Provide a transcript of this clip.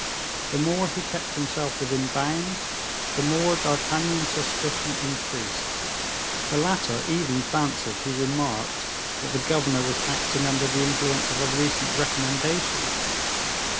The more he kept himself within bounds, the more D'Artagnan's suspicion increased. The latter even fancied he remarked that the governor was acting under the influence of a recent recommendation.